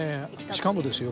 しかもですよ